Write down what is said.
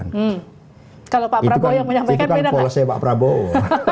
itu kan polosnya pak prabowo